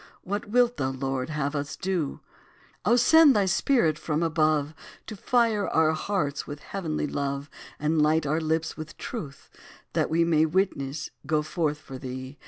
What wilt thou, Lord, have us to do? O send thy Spirit from above To fire our hearts with heavenly love; And light our lips with truth, that we May, witnesses, go forth for thee.